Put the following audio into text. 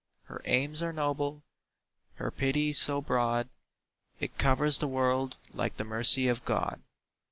Her aims are noble, her pity so broad, It covers the world like the mercy of God.